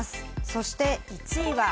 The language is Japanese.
そして１位は。